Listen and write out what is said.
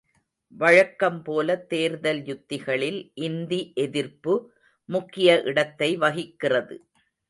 வழக்கம் போலத் தேர்தல் யுத்திகளில் இந்தி எதிர்ப்பு முக்கிய இடத்தை வகிக்கிறது.